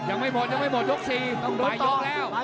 ยังไม่หมดยกสี่ตรงนี้ล้ายยกแล้ว